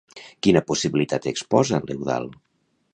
Quina possibilitat exposa, l'Eudald?